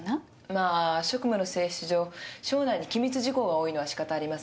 まあ職務の性質上省内に機密事項が多いのは仕方ありません。